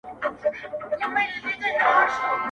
کلي چوپتيا کي ژوند کوي,